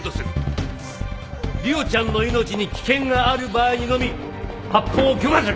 梨央ちゃんの命に危険がある場合にのみ発砲を許可する。